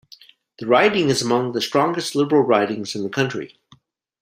The riding is among the strongest Liberal ridings in the country.